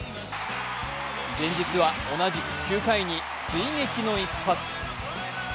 前日は同じく９回に追撃の一発。